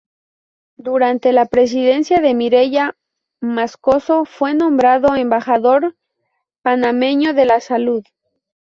Durante la presidencia de Mireya Moscoso fue nombrado "Embajador panameño de la Salud".